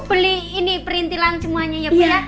beli ini perintilan semuanya ya bu ya